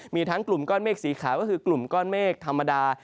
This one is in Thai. มีทั้งกลุ่มก้อนเมฆสีขาวก็คือกลุ่มก้อนเมฆธรรมดา